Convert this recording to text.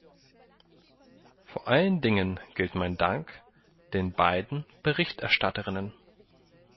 Vor allen Dingen gilt mein Dank den beiden Berichterstatterinnen.